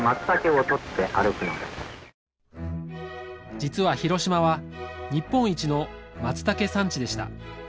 実は広島は日本一のマツタケ産地でした。